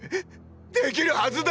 できるはずだ！！